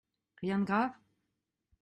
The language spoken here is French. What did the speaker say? Rien de grave ?